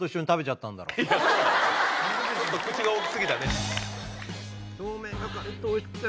ちょっと口が大きすぎたね。